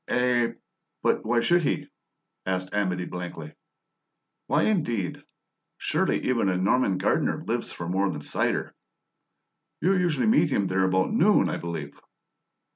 "Eh? But why should he?" asked Amedee blankly. "Why indeed? Surely even a Norman gardener lives for more than cider! You usually meet him there about noon, I believe?"